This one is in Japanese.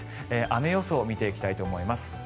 雨予想を見ていきたいと思います。